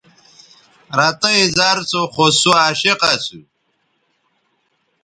رتئیں زَر سو خو سوعشق اسُو